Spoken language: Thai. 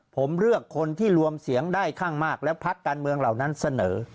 ผมเลือกคนที่รวมเสียงได้ข้างมากแล้วพักการเมืองเหล่านั้นเสนอ